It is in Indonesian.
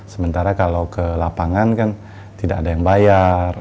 sementara kalau ke lapangan kan tidak ada yang bayar